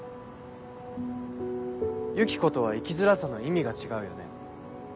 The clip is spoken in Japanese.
ユキコとは生きづらさの意味が違うよね。